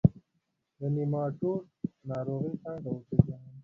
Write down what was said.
د نیماټوډ ناروغي څنګه وپیژنم؟